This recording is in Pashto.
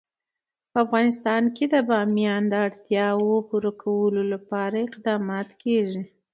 په افغانستان کې د بامیان د اړتیاوو پوره کولو لپاره اقدامات کېږي.